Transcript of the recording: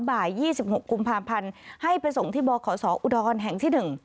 บ่าย๒๖กุมภาพันธ์ให้ไปส่งที่บขศอุดรแห่งที่๑